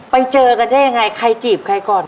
ไปเจอกันได้ยังไงใครจีบใครก่อน